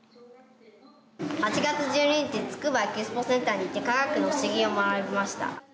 ８月１２日つくばエキスポセンターに行って科学の不思議を学びました。